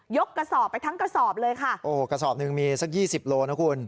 ยกกระสอบไปทั้งกระสอบเลยค่ะโอ้โหกระสอบนึงมีสัก๒๐โลนะคุณ